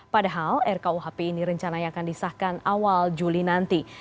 padahal rkuhp ini rencananya akan disahkan awal juli nanti